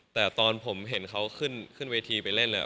แต่ตอนผมเห็นเขาขึ้นเวทีไปเล่นเลย